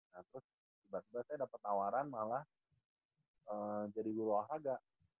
terus sebab sebab saya dapet tawaran malah jadi guru olahraga